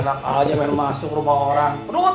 enak aja main masuk rumah orang pedut